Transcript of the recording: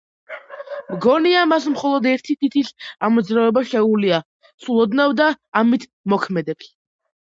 მგონია, მას მხოლოდ ერთი თითის ამოძრავება შეუძლია, სულ ოდნავ და ამით მოქმედებს.